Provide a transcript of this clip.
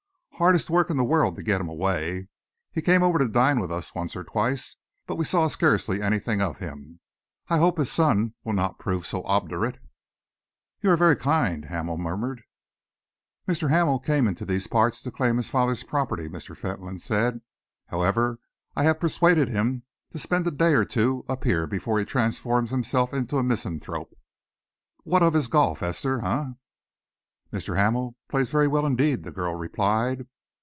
Hardest work in the world to get him away. He came over to dine with us once or twice, but we saw scarcely anything of him. I hope his son will not prove so obdurate." "You are very kind," Hamel murmured. "Mr. Hamel came into these parts to claim his father's property," Mr. Fentolin said. "However, I have persuaded him to spend a day or two up here before he transforms himself into a misanthrope. What of his golf, Esther, eh?" "Mr. Hamel plays very well, indeed," the girl replied.